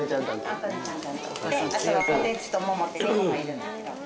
であとはこてつとももって猫がいるんだけど。